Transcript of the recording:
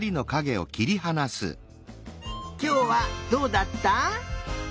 きょうはどうだった？